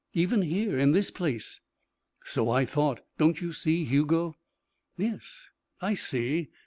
Even here, in this place " "So I thought. Don't you see, Hugo?" "Yes, I see.